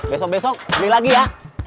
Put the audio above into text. besok besok beli lagi ya